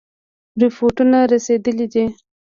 رپوټونه رسېدلي دي.